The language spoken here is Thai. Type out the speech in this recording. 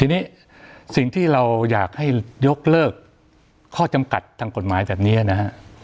ทีนี้สิ่งที่เราอยากให้ยกเลิกข้อจำกัดทางกฎหมายแบบนี้นะฮะ